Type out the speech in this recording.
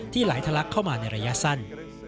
ไหลทะลักเข้ามาในระยะสั้น